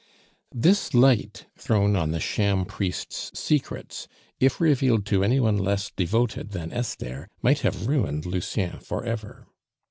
This light thrown on the sham priest's secrets, if revealed to any one less devoted than Esther, might have ruined Lucien for ever.